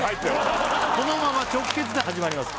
このまま直結で始まります